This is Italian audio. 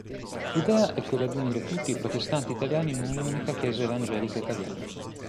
L'idea è quella di unire tutti i protestanti italiani in un'unica chiesa evangelica italiana.